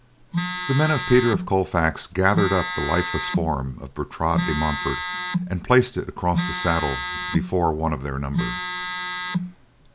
The men of Peter of Colfax gathered up the lifeless form of Bertrade de Montfort and placed it across the saddle before one of their number.